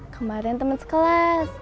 kemarin teman sekelas